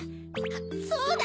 そうだ！